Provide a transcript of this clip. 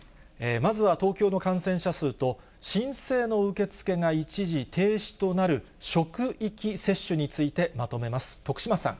まずは東京の感染者数と、申請の受け付けが一時停止となる、職域接種について、まとめます。